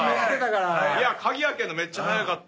いや鍵開けるのめっちゃ速かった。